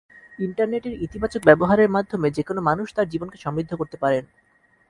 ইন্টারনেটের ইতিবাচক ব্যবহারের মাধ্যমে যেকোনো মানুষ তাঁর জীবনকে সমৃদ্ধ করতে পারেন।